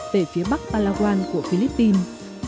về phía bắc palawan của philippines